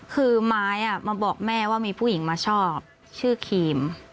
คือไม้มาบอกแม่ว่ามีผู้หญิงมาชอบชื่อครีม